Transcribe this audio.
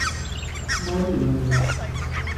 Maurilândia